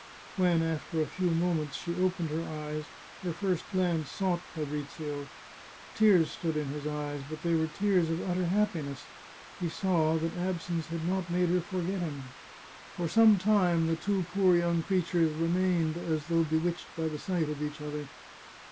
When, after a few moments, she opened her eyes, her first glance sought Fabrizio. Tears stood in his eyes, but they were tears of utter happiness. He saw that absence had not made her forget him. For some time the two poor young creatures remained as though bewitched by the sight of each other.